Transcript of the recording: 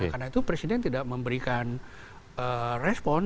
karena itu presiden tidak memberikan respon